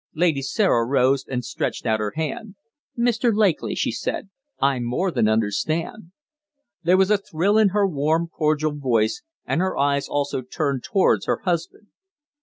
Lady Sarah rose and stretched out her hand. "Mr. Lakely," she said, "I more than understand!" There was a thrill in her warm, cordial voice, and her eyes also turned towards her husband.